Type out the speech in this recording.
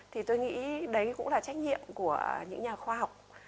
thì tôi nghĩ đấy cũng là trách nhiệm của những nhà khoa học